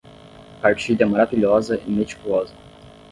Partilha maravilhosa e meticulosa